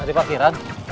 dari pak kiran